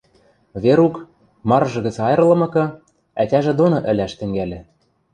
Верук, марыжы гӹц айырлымыкы, ӓтяжӹ доны ӹлӓш тӹнгӓлӹн.